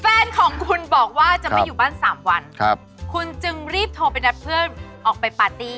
แฟนของคุณบอกว่าจะไม่อยู่บ้านสามวันครับคุณจึงรีบโทรไปนัดเพื่อนออกไปปาร์ตี้